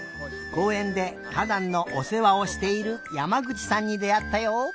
こうえんでかだんのおせわをしている山口さんにであったよ。